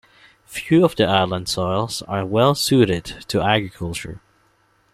Few of the island's soils are well suited to agriculture.